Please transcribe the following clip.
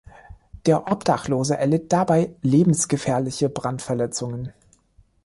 Der Obdachlose erlitt dabei lebensgefährliche Brandverletzungen.